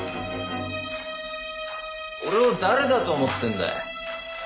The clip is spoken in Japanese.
俺を誰だと思ってんだ？